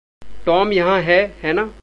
Tom यहाँ है, है ना?